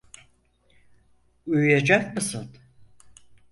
Uyuyacak mısın?